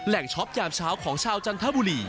ช็อปยามเช้าของชาวจันทบุรี